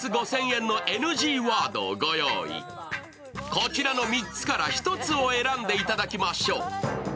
こちらの３つから一つを選んでいただきましょう。